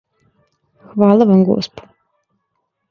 Хвала вам, госпо.